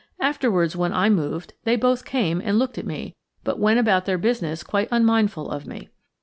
Afterwards, when I moved, they both came and looked at me, but went about their business quite unmindful of me.